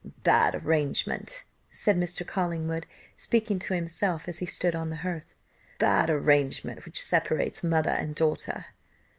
"Bad arrangement," said Mr. Collingwood, speaking to himself as he stood on the hearth. "Bad arrangement which separates mother and daughter."